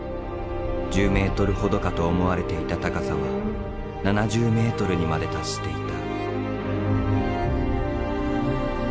１０ｍほどかと思われていた高さは７０ｍにまで達していた。